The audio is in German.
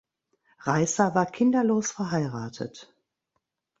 Reisser war kinderlos verheiratet.